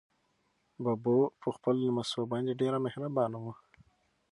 ببو په خپلو لمسو باندې ډېره مهربانه وه.